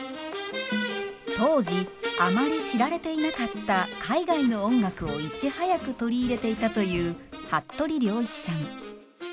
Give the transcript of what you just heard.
当時あまり知られていなかった海外の音楽をいち早く取り入れていたという服部良一さん。